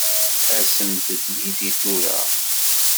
Asemt-d yid-i tura.